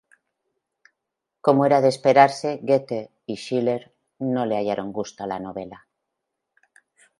Como era de esperarse, Goethe y Schiller no le hallaron gusto a la novela.